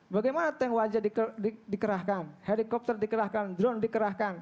bagaimana tank wajah dikerahkan helikopter dikerahkan drone dikerahkan